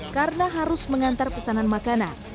karena harus mengantar pesanan makanan